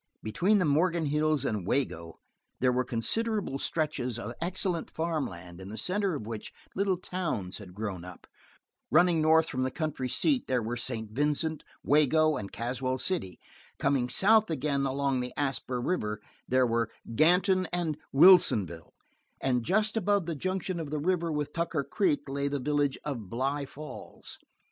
Between the Morgan Hills and Wago there were considerable stretches of excellent farm land in the center of which little towns had grown up. Running north from the country seat, they were St. Vincent, Wago, and Caswell City. Coming south again along the Asper River there were Ganton and Wilsonville, and just above the junction of the river with Tucker Creek lay the village of Bly Falls.